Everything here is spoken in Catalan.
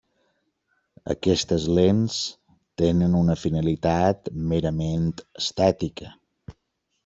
Aquestes lents tenen una finalitat merament estètica.